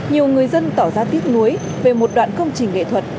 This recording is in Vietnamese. nhiều người dân tỏ ra tiếc nuối về một đoạn công trình nghệ thuật